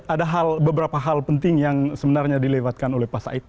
ada beberapa hal penting yang sebenarnya dilewatkan oleh pak said